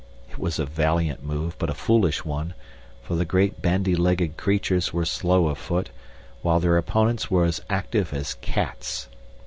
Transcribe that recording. It was a valiant move but a foolish one, for the great bandy legged creatures were slow of foot, while their opponents were as active as cats.